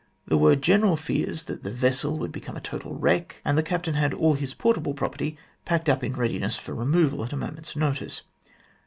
There were general fears that the vessel would become a total wreck, and the captain had all his portable property packed up in readiness for removal at a moment's notice.